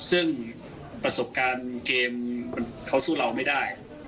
ซึ่งประสบการณ์เกมเขาสู้เราไม่ได้